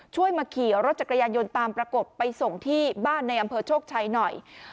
มาขี่รถจักรยานยนต์ตามปรากฏไปส่งที่บ้านในอำเภอโชคชัยหน่อย